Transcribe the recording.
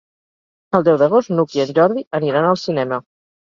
El deu d'agost n'Hug i en Jordi aniran al cinema.